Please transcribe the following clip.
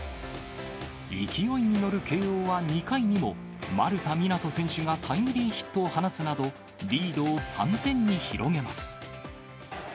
勢いに乗る慶応は２回にも、丸田湊斗選手がタイムリーヒットを放つなど、リードを３点に広げます。